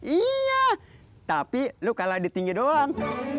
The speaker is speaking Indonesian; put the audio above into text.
iya tapi lu kalah di tinggi doang